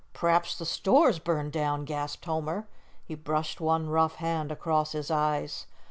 "P'r'aps the store's burned down," gasped Homer. He brushed one rough hand across his eyes.